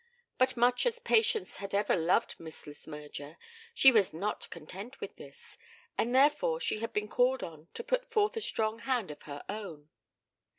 But much as Patience had ever loved Miss Le Smyrger, she was not content with this, and therefore she had been called on to put forth a strong hand of her own.